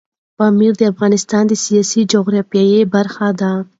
پامیر د افغانستان د سیاسي جغرافیه برخه ده.